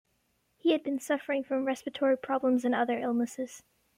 He had been suffering from respiratory problems and other illnesses.